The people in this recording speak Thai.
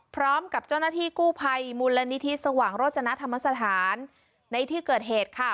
พร้อมกับเจ้าหน้าที่กู้ภัยมูลนิธิสว่างโรจนธรรมสถานในที่เกิดเหตุค่ะ